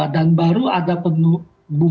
dan baru ada penurunan